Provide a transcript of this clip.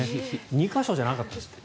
２か所じゃなかったです。